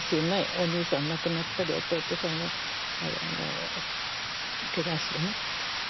お兄さん亡くなったり弟さんがけがしてね。